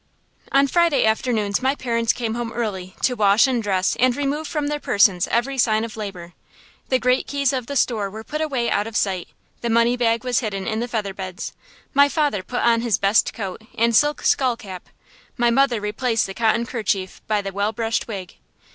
On Friday afternoons my parents came home early, to wash and dress and remove from their persons every sign of labor. The great keys of the store were put away out of sight; the money bag was hidden in the featherbeds. My father put on his best coat and silk skull cap; my mother replaced the cotton kerchief by the well brushed wig.